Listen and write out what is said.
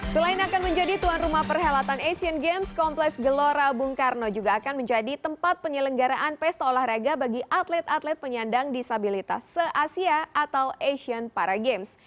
selain akan menjadi tuan rumah perhelatan asian games kompleks gelora bung karno juga akan menjadi tempat penyelenggaraan pesta olahraga bagi atlet atlet penyandang disabilitas se asia atau asian para games